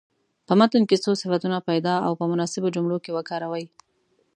په متن کې څو صفتونه پیدا او په مناسبو جملو کې وکاروئ.